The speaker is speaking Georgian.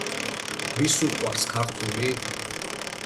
ვის უყვარს ქართული?